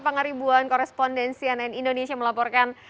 pangeribuan korespondensi ann indonesia melaporkan